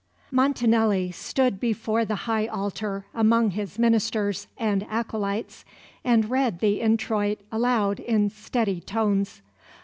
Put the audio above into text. Montanelli stood before the high altar among his ministers and acolytes and read the Introit aloud in steady tones.